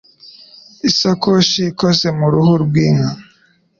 Isakoshi ikoze mu ruhu rw'inka